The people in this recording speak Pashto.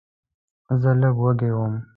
زه لږ وږی وم.